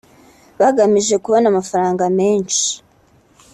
bagamije kubona amafaranga menshi